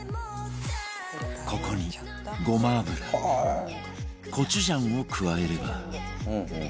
ここにごま油コチュジャンを加えれば